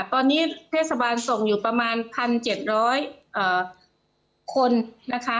ตอนนี้เทศบาลส่งอยู่ประมาณ๑๗๐๐คนนะคะ